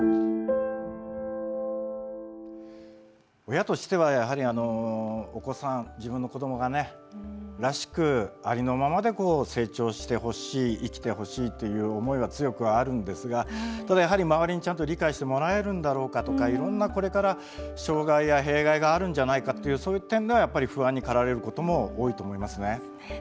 親としてはやはりお子さん自分の子どもがねらしくありのままで成長してほしい生きてほしいという思いは強くあるんですがただやはり周りにちゃんと理解してもらえるんだろうかとかいろんなこれから障害や弊害があるんじゃないかっていうそういう点がやっぱり不安に駆られることも多いと思いますね。